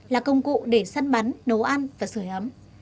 là công cụ để săn bắn nấu ăn và sửa ấm